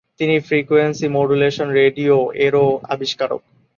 তিনি frequency modulation radio এরও আবিষ্কারক।